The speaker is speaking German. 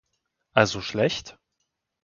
Also schlecht?